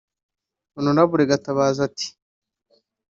Hon Gatabazi ati